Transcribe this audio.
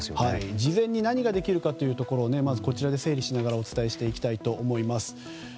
事前に何ができるかというところをまずこちらで整理してお伝えしていきたいと思います。